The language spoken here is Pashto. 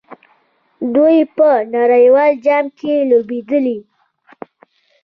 دوی په نړیوال جام کې لوبېدلي.